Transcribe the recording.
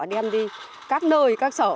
đem đi các nơi các sở